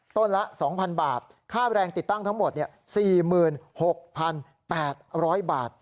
ละ๒๐๐บาทค่าแรงติดตั้งทั้งหมด๔๖๘๐๐บาท